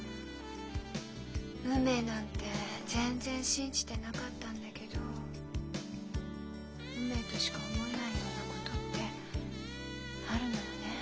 「運命」なんて全然信じてなかったんだけど運命としか思えないようなことってあるのよねえ。